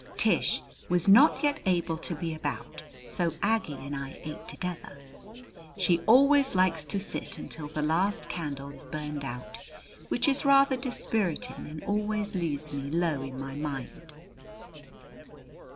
Tish was not yet able to be about, so Aggie and I ate together. She always likes to sit until the last candle is burned out, which is rather dispiriting and always leaves me low in my mind.